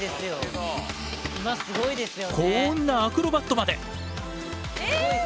こんなアクロバットまで。